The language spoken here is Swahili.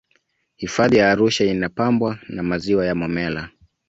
hifadhi ya arusha inapambwa na maziwa ya momella